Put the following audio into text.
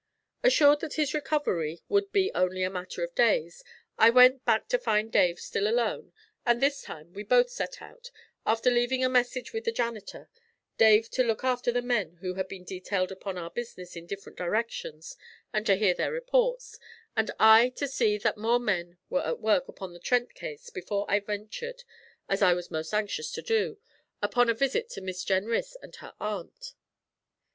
Assured that his recovery would be only a matter of days, I went back to find Dave still alone, and this time we both set out, after leaving a message with the janitor, Dave to look after the men who had been detailed upon our business in different directions and to hear their reports, and I to see that more men were at work upon the Trent case before I ventured, as I was most anxious to do, upon a visit to Miss Jenrys and her aunt.